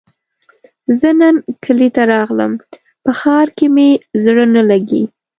زۀ نن کلي نه راغلم په ښار کې مې زړه نه لګي